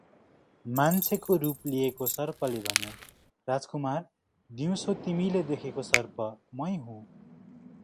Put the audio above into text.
मान्छेको रूप लिएको सर्पले भन्यो, “राजकुमार, दिउँसो तिमीले देखेको सर्प मै हुँ ।